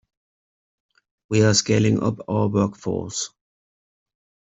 We are scaling up our workforce.